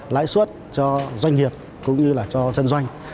lãi suất cho doanh nghiệp cũng như là cho dân doanh